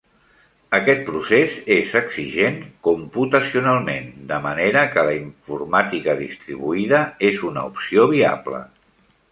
Aquest procés és exigent computacionalment, de manera que la informàtica distribuïda és una opció viable.